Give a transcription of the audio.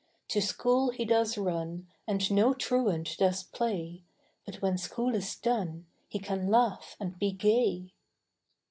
To school he does run, And no truant does play, But when school is done, He can laugh and be gay.